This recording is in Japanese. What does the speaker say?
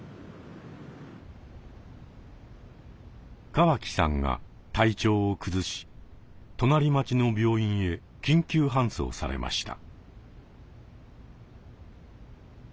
川木さんが体調を崩し隣町の病院へ緊急搬送されました。